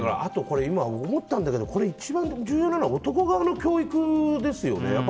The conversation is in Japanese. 思ったんだけど一番重要なのは男側の教育ですよね。